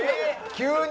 急に！？